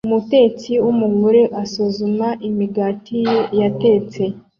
Umutetsi wumugore asuzuma imigati ye yatetse